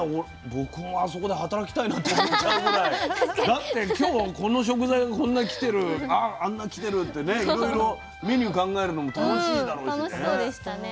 だって今日はこの食材がこんな来てるあんな来てるってねいろいろメニュー考えるのも楽しいだろうしね。